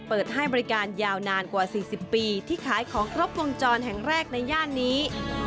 เปิดให้บริการยาวนานกว่า๔๐ปีที่ขายของครบวงจรแห่งแรกในย่านนี้